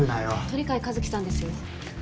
鳥飼一輝さんですよ。